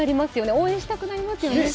応援したくなりますよね。